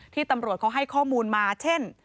ตำรวจเขาให้ข้อมูลมาเช่น